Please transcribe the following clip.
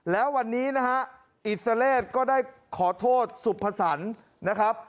แล้ววันนี้นะฮะอิสราเลสก็ได้ขอโทษสุภสรรค์นะครับ